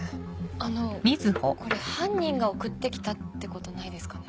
あのこれ犯人が送って来たってことないですかね？